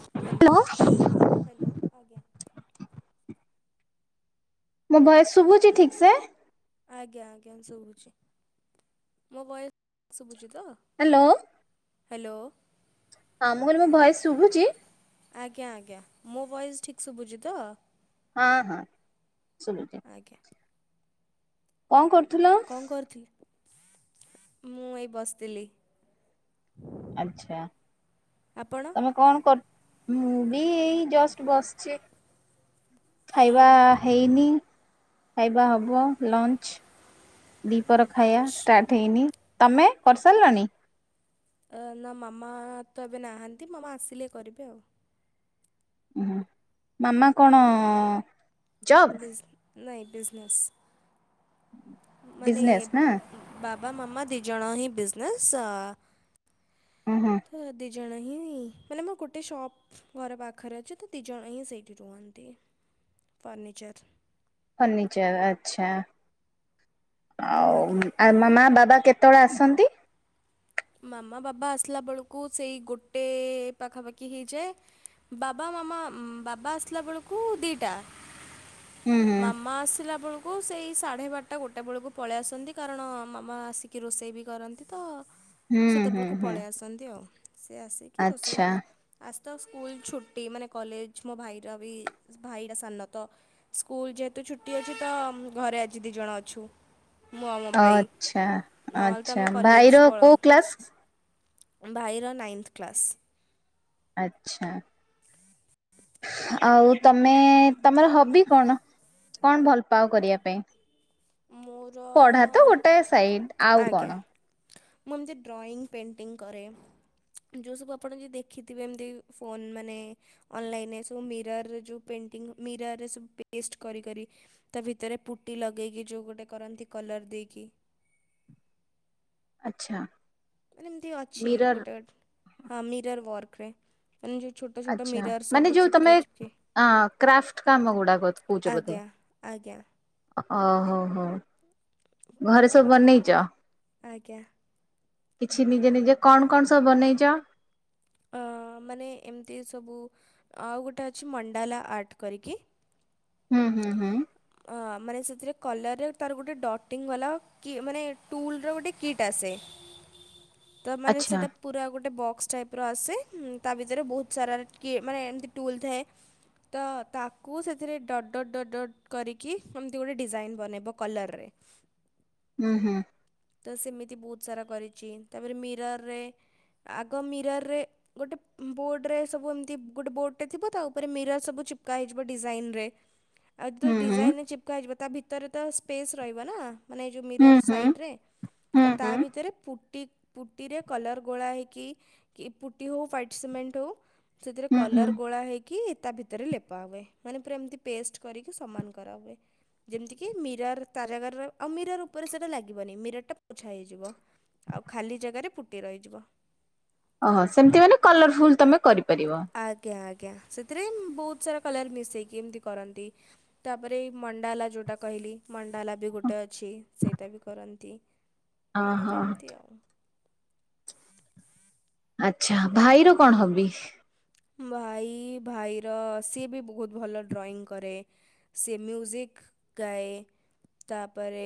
Hello. Hello ଆଜ୍ଞା। ମୋ voice ଶୁଭୁଛି ଠିକ୍ ସେ? ଆଜ୍ଞା, ଆଜ୍ଞା, ଶୁଭୁଛି। ମୋ ବଏସ ଶୁଭୁଛି ତ? ହ୍ୟାଲୋ। ହ୍ୟାଲୋ। ହଁ ମୁଁ କହିଲେ ମୋ ଭଏସ୍ ଶୁଭୁଚି? ଆଜ୍ଞା, ଆଜ୍ଞା, ମୋ ଭଏସ୍ ଠିକ ଶୁଭୁଚି ତ? ହଁ, ହଁ ଶଭୁଚି। ଆଜ୍ଞା। କଣ କରୁଥୁଲ? କଣ କରିଥିଲି, ମୁଁ ଏଇ ବସିଥିଲି। ଆଚ୍ଛା, ଆପଣ? ତୋମେ କଣ କର, ମୁଁ ବି ଏଇ ଜଷ୍ଟ ବସଛି। ଖାଇବା ହେଇନି ଖାଇବା ହବ ଲଞ୍ଚ। ଦିପର ଖାଇବା ଆଚ୍ଛା ଷ୍ଟାର୍ଟ ହେଇନି। ତୋମେ କରିସାରିଲଣି? ଅ, ନା ମାମା ତ ଏବେ ନାହାନ୍ତି, ମାମା ଆସିଲେ କରିବେ ଆଉ। ଓ ହଁ ମାମା କଣ ଜବ୍ ବିଜ ନାଇଁ ବିଜନେସ୍ ମାନେ ବିଜନେସ୍ ନା ବାବା ମାମା ଦିଜଣ ହିଁ ବିଜନେସ୍ ଆ, ଅଁ, ହଁ। ହେ ଦିଇଜଣ ହିଁ ମାନେ ମୋ ଗୋଟେ ସପ୍ ଘର ପାଖରେ ଅଛି ତ ଦୁଇଜଣ ହିଁ ସେଇଠି ରୁହନ୍ତି ଫର୍ଣ୍ନଣିଚର୍। ଫର୍ନିଚର ଆଚଛା ଆଉ ଆଜ୍ଞା ଆଉ ମା ବାବା କେତେବେଳେ ଆସନ୍ତି। ମାମା ବାବା ଆସିଲା ବେଳକୁ ସେଇ ଗୋଟେ ପାଖାପାଖି ହେଇଯାଏ। ବାବା ମାମା ବାବା ଆସିଲା ବେଳକୁ ଦିଟା। ହୁଁ ହୁଁ ମାମା ଆସିଲ ବଳ କୁ ସେଇ ସାଢ଼େ ବାରଟା ଗୋଟେ ବେଳକୁ ପଳେଇ ଆସନ୍ତି କାରଣ ମାମା ଆସିକି ରୋଷେଇ ବି କରନ୍ତି ତ ହୁଁ ହୁଁ ସେତେବେଳକୁ ହୁଁ ପଳେଇ ଆସନ୍ତି ଆଉ ସେଏ ଆସିକି ରୋଷେଇ ଆଚ୍ଛା ଆସ ତ ସ୍କୁଲ ଛୁଟି ମାନେ କଲେଜ ମୋ ଭାଇର ବି ଭାଇଟ ସାନ ତ ସ୍କୁଲ୍ ଯେହେତୁ ଛୁଟି ଅଛି ତ ଘରେ ଆଜି ଦୁଇଜଣ ଅଛୁ। ମୁଁ ଆଉ ମୋ ଭାଇ, ଆଚ୍ଛା ନହେଲେ ତ ଆଚ୍ଛା ଆମେ ଭାଇର କଲେଜ୍ କୋଉ ପଳାଉ। କ୍ଲାସ? ଭାଇର ନାଇନ୍ଥ୍ କ୍ଲାସ୍। ଆଚ୍ଛା! ଆଉ ତମେ ତମର ହବି କଣ? କଣ ଭଲ ପାଅ କରିଆ ପାଇଁ? ମୋର ପଢା ତ ଗୋଟେ ସାଇଡ୍ ଆଉ ଆଜ୍ଞା କଣ? ମୁଁ ଏମତି ଡ୍ରଇଂ ପେଣ୍ଟିଂ କରେ। ଯଉ ସବୁ ଆପଣ ଯେଦି ଦେଖିଥିବେ ଏମତି ଫୋନ ମାନେ ଅନଲାଇନରେ ସବୁ ମିରର୍ ରେ ଯୋଉ ପେଣ୍ଟିଗ୍ଂ ମିରର୍ ରେ ସଵ ପିଡିଏସ୍ଟ କରି କରି ତା ଭିତରେ ପୁଟି ଲଗେଇକି ଯୋଉ ଗୋଟେ କରନ୍ତି କଲର୍ ଦେଇକି ଆଚ୍ଛା! ମାନେ ଏମତି ଅଛି ମିରର ଗୋଟେ [unintelligible] ହଁ, ମିରର ୱର୍କରେ। ଏମ୍ ଯୋଉ ଛୋଟୋ ଛୋଟୋ ଆଚ୍ଛା ମିରର୍ ମାନେ ସବୁ ଯୋଉ ତମେ ଚିପକେଇ ଚିପକେଇ, କ୍ରାଫ୍ଟ କାମ ଗୁଡାକ କହୁଛ ବୋଧେ ଆଜ୍ଞା। ଆଜ୍ଞା ଓହୋ ହୋ ତ ଘରେ ସଵ୍ ବନେଇଚ। ଆଜ୍ଞା କିଛି ନିଜେ ନିଜେ କଣ କଣ ସବୁ ବନେଇଛ? ଅଁ ମାନେ ଏମତି ସବୁ ଆଉ ଗୋଟେ ଅଛି ମଣ୍ଡାଲା ଆର୍ଟ କରିକି ହୁଁ, ହୁଁ, ହୁଁ। ହଁ, ମାନେ ସେଥିରେ କଲର୍ ରେ ତାର ଗୋଟେ ଡଟିଙ୍ଗ ୱାଲା କି ମାନେ ଟୁଲ୍ ର ଗୋଟେ କିଟ୍ ଆସେ। ତମାନେ ଆଚ୍ଛା ସେଇଟା ପୁରା ଗୋଟେ ବକ୍ସ ଟାଇପ୍ର ଆସେ, ତା ଭିତରେ ବହୁତ ସାରାର କିଏ ମାନେ ତ ତାକୁ ସେଥିରେ ଡଟ୍ ଡ, ଡ, ଡ କରିକି ଏମତି ଗୋଟେ ଡିଜାଇନ ବନେଇବ କଲର୍ ରେ। ହୁଁ, ହୁଁ। ତ ସେମିତି ବହୁତ ସାରା କରିଛି, ତାପରେ ମିରର୍ ରେ ଆଗ ମିରର୍ ରେ ଗୋଟେ ବୋର୍ଡ଼ରେ ସବୁ ଏମତି ଗୋଟେ ବୋର୍ଡ଼ଟେ ଥିବ ତା ଉପରେ ମିରର୍ ସବୁ ଛିପ୍କା ହେଇଯିବ ଡିଜାଇନ ରେ। ଆଉ ତ ହୁଁ ହୁଁ ଡିଜାଇନ୍ ରେ ଚିପ୍କା ହେଇଯିବ ତା ଭିତରେ ତ ସ୍ପେସ୍ ରହିବ ନା? ମାନେ ଏ ଯୋଉ ହୁଁ ମିରର୍ ହୁଁ ସାଇଟ୍ରେ। ହୁଁ ତ ତା ହୁଁ ଭିତରେ ପୁଟି ପୁଟିରେ କଲର୍ ଗୋଳା ହେଇକି କିପୁଟି ହୋଉ ଫାଇଟ୍ ସିମେଣ୍ଟ ହୋଉ ସେଥିରେ ହୁଁ ହୁଁ କଲର ଗୋଳା ହେଇକି କି ତା ଭିତରେ ଲେପା ହୁଏ, ମାନେ ପୁରା ଏମତି ପେଷ୍ଟ କରିକି ସମାନ କରା ହୁଏ। ଯେମତିକି ମିରର୍ ତା ଜାଗାରରେ ରଇଵ ଆଉ ମିରର୍ ଉପରେ ସେଟା ଲାଗିବନି। ମିରର୍ [unintelligible] ପୋଛା ହେଇଯିବ। ଆଉ ଖାଲି ଜାଗାରେ ପୁଟି ରହିଯିବ। ଓହୋ, ସେମତି ମାନେ କଲରଫୁଲ୍ ତମେ କରିପାରିବ। ଆଜ୍ଞା, ଆଜ୍ଞା! ସେଥିରେମ୍ ବହୁତ ସାରା କଲର୍ ମିସେଇକି ଏମତି କରନ୍ତି। ତାପରେ ମଣ୍ଡାଲା ଯୋଉଟା କହିଲି। ମଣ୍ଡାଲା ବି ଗୋଟେ ଅଛି। ସେଇଟା ବି କରନ୍ତି ଓହୋ ଆଛା! ଭାଇର କଣ ହବି? ଭାଇ, ଭାଇର ସିଏ ବି ବହୁତ୍ ଭଲ ଡ୍ରଇଂ କରେ। ସିଏ ମ୍ୟୁଜିକ୍ ଗାଏ। ତାପରେ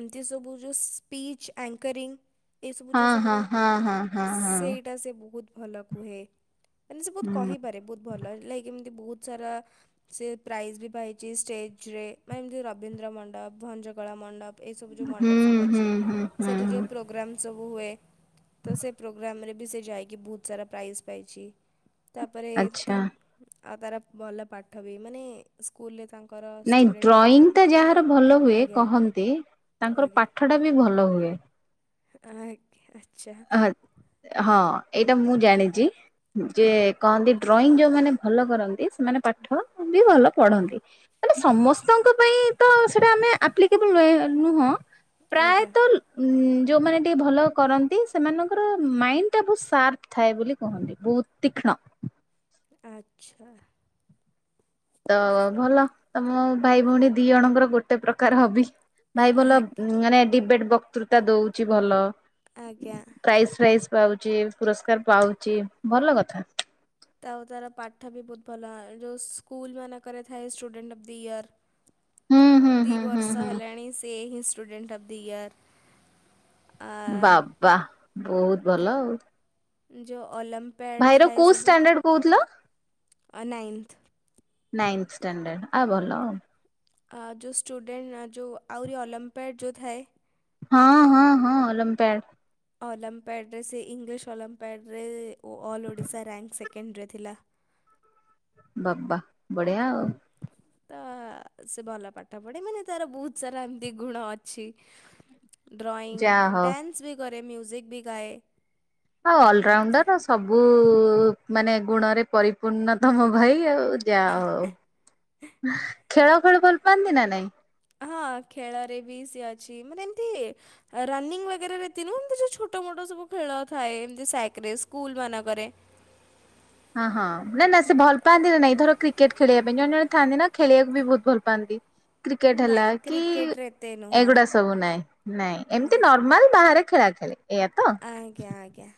ଏମତି ସବୁ ଯୋଉ ସ୍ପିଚ୍ ଅଙ୍କରିଙ୍ଗ ଏଇସବୁ ହଁ ଯୋଉ ହଁ ସବୁକା ହଁ ହଁ ହଁ ହଁ। ସେଇଟା ସିଏ ବହୁତ୍ ଭଲ କୁହେ। ମାନେ ସେ ବହୁତ କହିପାରେ ବହୁତ୍ ଭଲ ଲାଇକ ଏମତି ବହୁତ୍ ସାରା ସେ ପ୍ରାଇଜ୍ ବି ପାଇଚି ଷ୍ଟେଜରେ, ମାନେ ଏମତି ରବୀନ୍ଦ୍ର ମଣ୍ଡପ ଭଞ୍ଜକଳା ମଣ୍ଡପ ଏଇ ସବୁ ଯୋଉ ହୁଁ ହୁଁ ମଣ୍ଡପ ସବୁ ହୁଁ ଅଛି ହୁଁ ସେଇଠି ହୁଁ ଯୋଉ ପ୍ରୋଗ୍ରମ୍ ସବୁ ହୁଏ ତ ସେ ପ୍ରୋଗ୍ରାମରେ ବି ସେ ଯାଇକି ବହୁତ୍ ସାରା ପ୍ରାଇଜ୍ ପାଇଚି। ତାପରେ ଆଚ୍ଛା। ତାଙ୍କ୍ ଆଉ ତାର ଭଲ ପାଠ ବି ମାନେ ସ୍କୁଲରେ ତାଙ୍କର ନାଇଁ ଷ୍ଟୁଡ଼େଣ୍ଟ ଡ୍ରଇଂଟା ଯାହାର ଭଲ ହୁଏ ଅଫ୍ ଦି ଆଜ୍ଞା କହନ୍ତି, ତାଙ୍କର ଆଜ୍ଞା ପାଠଟା ବି ଭଲ ହୁଏ। ଆଜ୍ଞା ଆ ହଁ ହଁ ଏଇଟା ମୁଁ ଜାଣିଚି। ଯେ କହନ୍ତି ଡ୍ରଇଂ ଯୋଉମାନେ ଭଲ କରନ୍ତି ସେମାନେ ପାଠ ବି ଭଲ ପଢ଼ନ୍ତି। ମାନେ ସମସ୍ତଙ୍କ ପାଇଁ ତ ସେଇଟା ଆମେ ଆପ୍ଲିକେବୁଲ୍ ନୁହେଁ ନୁହଁ। ଆଜ୍ଞା ପ୍ରାୟତଃ ଉଁ ଯୋଉମାନେ ଟିକେ ଭଲ କରନ୍ତି ସ ସେମାନଙ୍କର ମାଇଣ୍ଡଟା ବହୁତ ସାର୍ପ ଥାଏ ବୋଲି କୁହନ୍ତି, ବହୁତ ତୀକ୍ଷ୍ଣ। ଆଚ୍ଛା। ତ ଭଲ ତମ ଭାଇ ଭଉଣୀ ଦି ଜଣଙ୍କର ଗୋଟେ ପ୍ରକାର ହବି। ଭାଇ ଭଲ, ଆଜ୍ଞା ମାନେ ଡିବେଟ ବକ୍ତୃତା ଦଉଛି ଭଲ। ଆଜ୍ଞା। ପ୍ରାଇଜ ଫାଇଜ ପାଉଛି, ପୁରସ୍କାର ପାଉଛି, ଭଲ କଥା। ତାଉ ତାର ପାଠ ବି ବହୁତ ଭଲ ହଏ, ଯୋଉ ସ୍କୁଲ ମାନେକରେଥାଏ ଷ୍ଟୁଡେଣ୍ଟ ଅଫ୍ ଦି ଇୟର ହୁଁ ହୁଁ ଦି ହୁଁ ହୁଁ ବର୍ଷ ହୁଁ ହେଲାଣି ସେ ହିଁ ଷ୍ଟୁଡେଣ୍ଟ୍ ଅଫ ଦି ଇଅର୍। ବାବା, ବହୁତ ଭଲ ଆଉ। ଯୋଉ ଓଲମ୍ପ ଭାଇର କୋଉ ଷ୍ଟାଣ୍ଡାର୍ଡ କହୁଥିଲ? ଅ ନାଇଁଥ। ନାଇନ୍ଥ ଷ୍ଟାଣ୍ଡାର୍ଡ଼, ଆ ଭଲ ଆଉ। ଆ ଯୋଉ ଷ୍ଟୁଡେଣ୍ଟ ଯୋଉ ଆଉରି ଅଲମ୍ପିଆଡ଼୍ ଯୋଉ ଥାଏ ହଁ ହଁ ହଁ ଅଲମ୍ପ୍ୟାଡ ଅଲମ୍ପ୍ୟାଡରେ, ସେ ଇଂଲିଶ ଅଲମ୍ପ୍ୟାଡରେ ଓ ଅଲ୍ ଓଡ଼ିଶା ର଼୍ୟାଙ୍କ ସେକେଣ୍ଡରେ ଥିଲା। ବାବା ବଢିଆ ଆଉ। ତ ସେ ଭଲ ପାଠ ପଢେ, ମାନେ ତାର ବହୁତ ସାରା ଏମିତି ଗୁଣ ଅଛି। [inaudible] ଡ୍ରଇଂ, ଯାହା ହଉ ଡାନ୍ସ ବି କରେ ମ୍ୟୁଜିକ ବି ଗାଏ। ଆଉ ଏମିତି ଅଲରାଉଣ୍ଡର ଆଉ ସବୁ ମାନେ ଗୁଣରେ ପରିପୂର୍ଣ୍ଣ ତମ ଭାଇ ଆଉ। ଯା ହଉ, ଖେଳ ଫେଳ ଭଲ ପାଆନ୍ତି ନା ନାଇଁ? ହଁ ଖେଳରେ ବି ସିଏ ଅଛି, ମାନେ ଏମିତି ରନିଙ୍ଗ ବଗେରାରେ ତି ନୁ ଏମତି ଛୋଟ ମୋଟ ସବୁ ଖେଳ ଥାଏ ଏମତି ସ୍ୟାକ ରେଶ୍ ସ୍କୁଲମାନଙ୍କରେ ହଁ ହଁ ନା ନା ସେ ଭଲ ପାଆନ୍ତି ନା ନାଇଁ ଧର କ୍ରିକେଟ ଖେଳିବା ପାଇଁ ଜଣେ ଜଣେ ଥାନ୍ତି ନା ଖେଳିବାକୁ ବି ବହୁତ ଭଲ ପାଆନ୍ତି। କ୍ରିକେଟ ହେଲା ନାଇଁ କି କ୍ରିକେଟରେ ଏତେ ନୁହଁ ଏଗୁଡ଼ା ସବୁ ନାଇଁ, ନାଇଁ ଏମିତି ନର୍ମାଲ ବାହାରେ ଖେଳା ଖେଳି। ଏଇଆ ତ, ଆଜ୍ଞା ଆଜ୍ଞା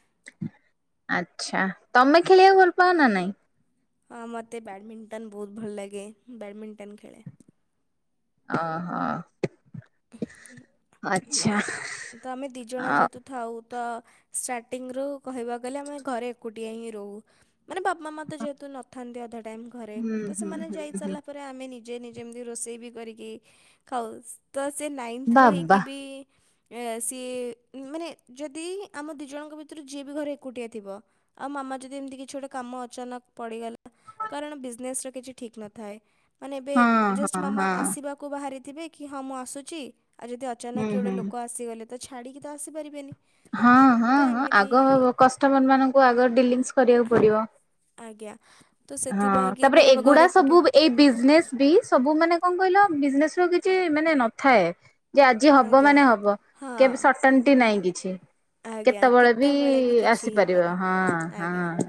ଆଛା ତମେ ଖେଳିବାକୁ ଭଲ ପାଅ ନା ନାଇଁ? ହଁ ମୋତେ ବ୍ୟାଡ଼ମିଣ୍ଟନ ବହୁତ ଭଲ ଲାଗେ, ବ୍ୟାଡ଼ମିଣ୍ଟନ ଖେଳେ। ଅ ହ। ଆଚ୍ଛା। କିନ୍ତୁ ଆମେ ଦିଜଣ ଆଉ ଯେହେତୁ ଥାଉ ତ ଷ୍ଟାର୍ଟିଂରୁ କହିବାକୁ ଗଲେ ଆମେ ଘରେ ଏକୁଟିଆ ହିଁ ରହୁ। ମାନେ ବାପା ମା ତ ଯେହେତୁ ନଥାନ୍ତି ଅଧା ଟାଇମ ଘରେ, ହୁଁ ତ ହୁଁ ସେମାନେ ହୁଁ ହୁଁ ଯାଇସାରିଲା ପ ରେ ଆମେ ନିଜେ ନିଜେ ଏମିତି ରୋଷେଇବି କରିକି ଖାଉ। ତ ସେ ନାଇନ୍ଥରେ ବାବା ହେଇକିବି ସିଏ ମାନେ ଯଦି ଆମ ଦୁଇ ଜଣଙ୍କ ଭିତରୁ ଯିଏ ବି ଘରେ ଏକୁଟିଆ ଥିବ ଆଉ ମାମା ଯଦି ଏମିତି କିଛି ଗୋଟେ କାମ ଅଚାନକ ପଡିଗଲା? କାରଣ ବିଜନେସର କିଛି ଠିକ ନଥାଏ। ମାନେ ଏବେ ହଁ ଜଷ୍ଟ ହଁ ମାମା ହଁ ଆସିବାକୁ ବାହାରିଥିବେ କି ହଁ ମୁଁ ଆସୁଛି, ଆଉ ଯଦି ଅଚାନକ ହୁଁ କିଏ ଗୋଟେ ହୁଁ। ଲୋ ଆସିଗଲେ ତ ଛାଡ଼ିକିତ ଆସିପାରିବେନି। ହଁ ହଁ ତ ହଁ ଏମିତି ଆଗ କଷ୍ଟମର ମାନଙ୍କୁ ଆଗ ଡିଲଂସ୍ କରିବାକୁ ପଡିବ। ଆଜ୍ଞା ତ ହଁ ସେଥିପାଇଁ କି ତାପରେ ମାନେ ଆମ ଘରେ ଏଗୁଡା ଏକୁଟିଆ ସବୁ, ଏଇ ବିଜନେସ ବି ସବୁ ମାନେ କଣ କହିଲ? ବିଜନେସ ର କିଛି ମାନେ ନଥାଏ। ଯେ ଆଜି ହବ ଆଜ୍ଞା ମାନେ ହବ। ହଁ କେବେ ସଟନଟି ନାହିଁ କିଛି। ଆଜ୍ଞା, କେତେବେଳେ ବି କିଛି ଆସିପାରିବ ହେଇପାରେ, ହଁ ଆଜ୍ଞା। ହଁ।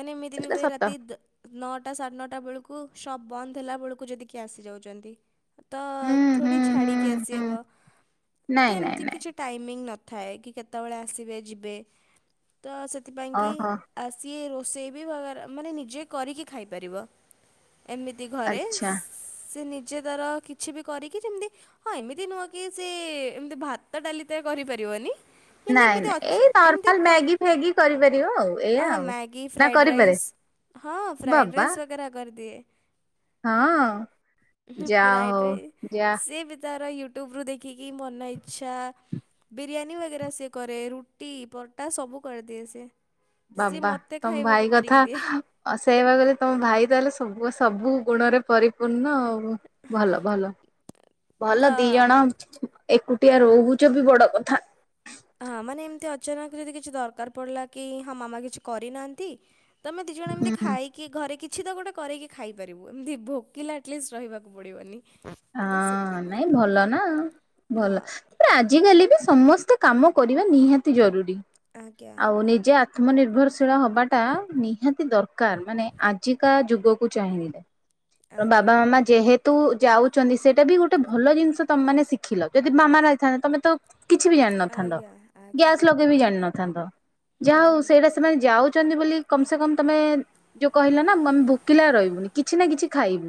ମାନେ ମୁଁ ଦିନେ ସେଟା ଦିନେ ସତ ରାତି ନଅଟା ସାଢ଼େ ନଅଟା ବେଳକୁ ସପ୍ ବନ୍ଦ ହେଲା ବେଳକୁ, ଯଦି କିଏ ଆସିଯାଉଛନ୍ତି ତ ହୁଁ ଥୋଡି ହୁଁ ହୁଁ ଛାଡିକି ହୁଁ ଆସିହବ, ନାଇଁ ତ ନାଇଁ ଏମିତି ନାଇଁ। କିଛି ଟାଇମିଙ୍ଗ ନଥାଏ କି, କେତେବେଳେ ଆସିବେ ଯିବେ ତ ସେଥିପାଇଁ କିି ଓହୋ ଆଉ ସିଏ ରୋଷେଇ ବି ମାନେ ନିଜେ କରିକି ଖାଇପାରିବ, ଏମିତି ଘରେ, ଆଚ୍ଛା ସେ ନିଜେ ତାର କିଛି ବି କରିକି ଯେମତି ହଁ ଏମିତି ନୁହଁ କି ସେ ଏମତି ଭାତ ଡାଲି ତ କରିପାରିବନି ଏମିତି ନାଇଁ ଏମିତି ନାଇଁ ଅଛି ଏଇ ଏମିତି ନର୍ମାଲ କ ମ୍ୟାଗି ଫ୍ୟାଗି କରିପାରିବ ଆଉ ଏଇଆ ଅ ଆଉ। ମ୍ୟାଗି ନା ଫ୍ରାଏଡ଼୍ କରିପାରେ ରାଇସ୍ ହଁ ଫ୍ରାଇଡ ବାବା ରାଇସ ବଗେରା କରିଦିଏ ହଁ ଯାହା ବ୍ରାଇଟ ହଉ ରାଇ ଯା ସେ ବିତା ଇୟ ୟଟ୍ୟୁବରୁ ଦେଖିକି ମନ ଇଛା, ବିରିୟାନୀ ସେ କରେ ରୁଟି ପଟା ସବୁ କରିଦିଏ ସିଏ, ସିଏ ମୋତେ ଖାଇବାକୁ କରିକି ଦିଏ ଅସେଇବା ଗଲେ ତମ ଭାଇ ତାହେଲେ ସବୁ ସବୁ ଗୁଣରେ ପରିପୂର୍ଣ୍ଣ ଆଉ ଭଲ ଭଲ, ଭଲ ଦି ତ ଜଣ ଏକୁଟିଆ ରହୁଛ ବି ବଡ କଥା ହଁ ମାନେ ଏମିତି ଅଚାନକ ଯଦି କିଛି ଦରକାର ପଡିଲା କି, ହଁ ମାମା କିଛି କରିନାହାନ୍ତି? ତମେ ଦିଇ ଜଣ ଏମିତି ହୁଁ ଖାଇ କି ଘରେ କିଛି ତ ଗୋଟେ କରାଇକି ଖାଇପାରିବୁ, ଏମିତି ଭୋକିଲା ଆଟଲିଷ୍ଟ ରହିବାକୁ ପଡିବନି ହଁ ନାଇଁ ଭଲ ନା, ଭଲ, ହଁ ତାପରେ ଆଜିକାଲି ବି ସମସ୍ତେ ତେ କାମ କରିବା ନିହାତି ଜରୁରୀ ଆଜ୍ଞା ଆଉ ନିଜେ ଆତ୍ମ ନିିର୍ଭରଶୀଳ ହବାଟା ନିହାତି ଦରକାର, ମାନେ ଆଜିକା ଯୁଗକୁ ଚାହିଁ, ଆଜ୍ଞା ବାବା ଆଜ୍ଞା ମାମା ଯେହେତୁ ଯାଉ ସେଇଟା ବି ଗୋଟେ ଭଲ ଜିନିଷ ତମାନେ ଶିଖିଲ, ଯଦି ମାମା ନାଇଥାନ୍ତେ ତମେ ତ କିଛି ବି ଜାଣିନଥାନ୍ତ, ଆଜ୍ଞା ଆଜ୍ଞା ଗ୍ୟାସ୍ ଲଗେଇ ବି ଜାଣିିନଥାନ୍ତତ, ହୁଁ ଯାହା ହଉ ହୁଁ ସେଇଟା ସେମାନେ ଯାଉ କରଛନ୍ତି ବୋଲି କମ ସେ କମ୍ ତୁମେ ଯୋଉ କହିଲା ନା, ଆମେ ଭୋକିଲା ରହିବୁନି କିଛି ନା କିଛି ଖାଇବୁ।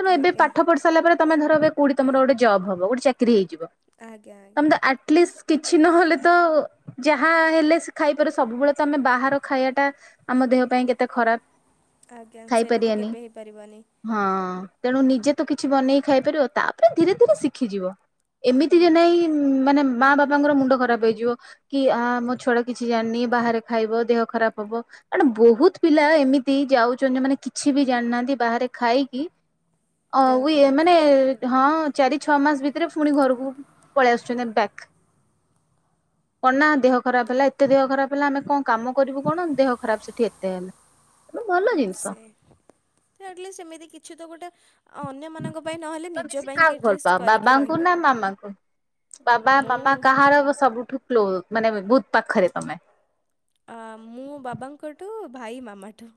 କିନ୍ତୁ ଏବେ ଆଜ୍ଞା ପାଠ ପଢି ସାରିଲା ପରେ ତମେ ଧର ଏ କୋଉଠି ତମର ଗୋଟେ ଜବ ହବ, ଗୋଟେ ଚାକିରି ହେଇଯିବ ଆଜ୍ଞା ଆଜ୍ଞା ତମ ତ ଆଟଲିଷ୍ଟ କିଛି ନହେଲେ ତ ଯାହା ହେଲେ ସେ ଖାଇପାରେ ସବୁବେଳେ ତ ଆମେ ବାହାର ଖାଇବାଟା ଆମ ଦେହ ପାଇଁ କେତେ ଖରାପ ଆଜ୍ଞା, ସେଇଟା ତ ଖାଇପାରିବାନି କେବେ ହେଇପାରିବନି। ହଁ ତେଣୁ ନିଜେ ତ କିଛି ବନେଇ ଖାଇପାରିବ, ତାପରେ ଧୀରେ ଧୀରେ ଶିଖିଯିବ। ଏମିତି ଯେ ହୁଁ ନାଇ ମାନେ ମା ବାପାଙ୍କର ମୁଣ୍ଡ ଖରାପ ହେଇଯିବ। କି ଆ ମୋ ଛୁଆ କିଛି ଜାଣିନି, ବାହାରେ ଖାଇବ, ଦେହ ଖରାପ ହବ, କଣ ବହୁତ ପିଲା ଏମିତି ଯାଉଛନ୍ତି ମାନେ କିଛି ବି ଜାଣିନାହାନ୍ତି ବାହାରେ ଖାଇକି ଦେହ ଖରାପ ମାନେ ହଁ ଚାରି ଛଅ ମାସ ଭିତରେ ପୁଣି ଘରକୁ ପଳେଇ ଆସୁଛନ୍ତି ବ୍ୟାକ୍ [inaudible] କଣ ନା ଦେହ ଖରାପ ହେଲା, ଏତେ ଦେହ ଖରାପ ହେଲା, ଆମେ କଣ କାମ କରିବୁ କଣ, ଦେହ ଖରାପ ସେଠି ଏତେ ହେଲା। ତେଣୁ ଭଲ ଜିନିଷ ସେ ଆଟଲିଷ୍ଟ ଏମିତି କିଛି ତ ଗୋଟେ ଅନ୍ୟ ମାନଙ୍କ ଆମେ ବେଶୀ କାହାକୁ ଭଲ ପାଅ, ବାବାଙ୍କୁ ନା ରହିପାରିବୁ ମାମାଙ୍କୁ, ବାବା ମାମା ମୁଁ କାହାର ସବୁଠୁ କ୍ଲୋ ମାନେ ବହୁତ ପାଖରେ ତମେ ମୁଁ ବାବାଙ୍କଠୁ ଭାଇ ମାମାଠୁ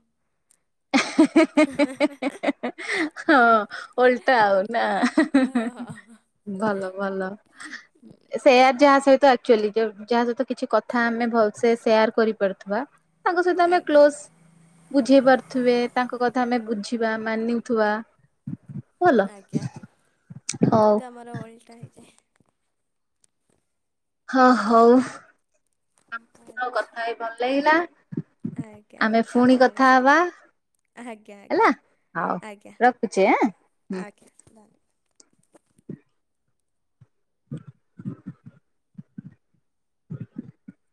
ହ [inaudible] ହଁ ଉଲଟା ଆଉନା ଓହୋ ଭଲ ଭଲ ସେୟାର ଯାହା ସହିତଚୁଆ ଯାହା ସହିତ କିଛି କଥା ଆମେ ଭଲସେ ସେୟାର କରିପାରୁଥିବା ତାଙ୍କ ସହିତ ଆମେ ଆଜ୍ଞା କ୍ଲୋଜ ବୁଝେଇ ପାରୁ ଥେ ତାଙ୍କ କଥା ଆମେ ବୁଝିବା ମାନୁଥିବା ଆଜ୍ଞା ତ ଆମର ଓଲଟା ହେଇଯାଏ ହଁ ହଉ ଆମ ଆ- ସହିତ କଥା ଭଲ ଲାଗିଲା ଆଜ୍ଞା ଆମେ ପୁଣି ଆପଣଙ୍କ କଥା ସହିତ ହବା ଆଜ୍ଞା ହେଲା ଆଜ୍ଞା ହଉ ଆଜ୍ଞା ରଖୁଛିେ ଆଁ ଆଜ୍ଞା ଧବା ହ